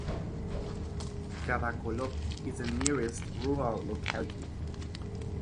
Khadakolob is the nearest rural locality.